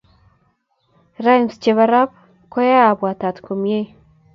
rhymes chepo rap koyaya apuatuta komiei